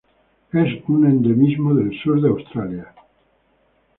Es un endemismo del sur de Australia.